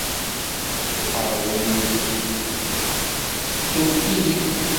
Tiḥerbunin-ik fetkent-iyi.